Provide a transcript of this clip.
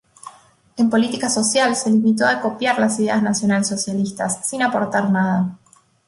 En política social se limitó a copiar las ideas nacionalsocialistas, sin aportar nada.